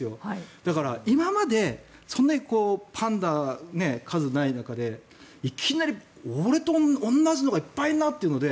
だから今までそんなにパンダ数がない中でいきなり俺と同じのがいっぱいいるなというので